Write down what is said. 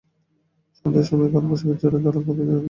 সন্ধ্যার সময়ে কালবৈশাখী ঝড়ে দালান কাঁপিতে লাগিল।